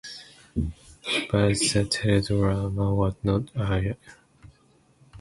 But the teledrama was not aired.